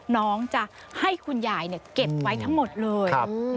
น้องจะให้คุณยายเก็บไว้ทั้งหมดเลย